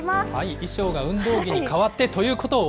衣装が運動着に変わって、ということは？